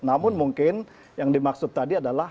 namun mungkin yang dimaksud tadi adalah